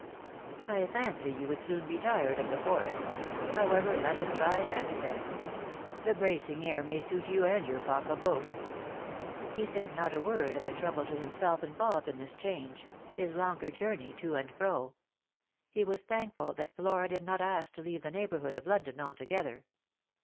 " I fancy you would soon be tired of the forest. However, let us try Hampstead. The bracing air may suit you and your papa both." He said not a word of the trouble to himself involved in this change — his longer journey to and fro. He was thankful that Flora did not ask to leave the neighbourhood of London alto gether.